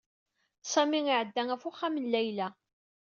Sami iɛedda ɣef uxxam n Layla.